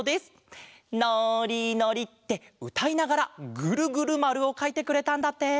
「のーりのり」ってうたいながらグルグルまるをかいてくれたんだって。